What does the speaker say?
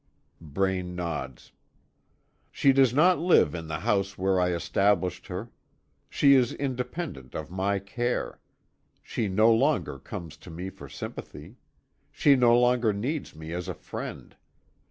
Braine nods. "She does not live in the house where I established her. She is independent of my care. She no longer comes to me for sympathy. She no longer needs me as a friend.